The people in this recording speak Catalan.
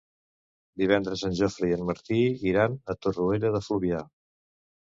Divendres en Jofre i en Martí iran a Torroella de Fluvià.